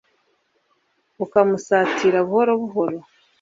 bukamusatira buhoro buhoro